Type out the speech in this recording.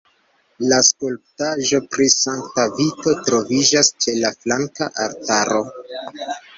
La skulptaĵo pri Sankta Vito troviĝas ĉe la flanka altaro.